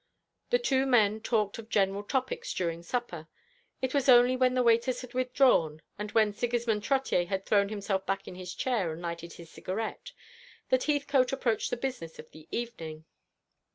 The two men talked of general topics during supper. It was only when the waiters had withdrawn, and when Sigismond Trottier had thrown himself back in his chair and lighted his cigarette, that Heathcote approached the business of the evening.